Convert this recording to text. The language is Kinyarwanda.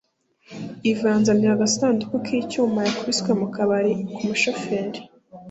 Ivan yanzaniye agasanduku k'icyuma yakubiswe mu kabari k'umushoferi